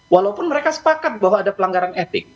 walaupun mereka sepakat bahwa ada pelanggaran etik